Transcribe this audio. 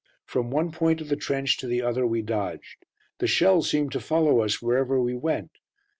From one point of the trench to the other we dodged. The shells seemed to follow us wherever we went.